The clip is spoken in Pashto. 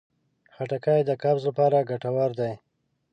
خټکی د قبض لپاره ګټور دی.